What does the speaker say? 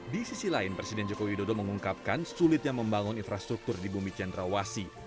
di sisi lain presiden jokowi dodo mengungkapkan sulitnya membangun infrastruktur di bumi cianrawasi